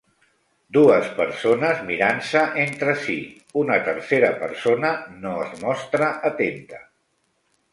Dues persones mirant-se entre sí, una tercera persona no es mostra atenta.